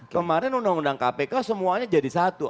kemarin undang undang kpk semuanya jadi satu